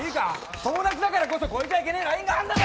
友達だからこそ超えちゃいけねえラインがあるだろ。